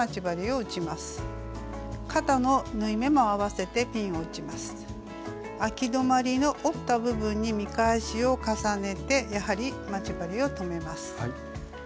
あき止まりの折った部分に見返しを重ねてやはり待ち針を留めます。